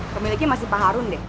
pemiliknya masih pak harun deh